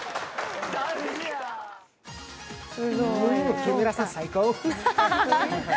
木村さん最高！